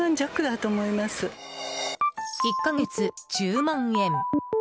１か月１０万円。